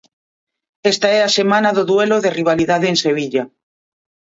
Esta é a semana do duelo de rivalidade en Sevilla.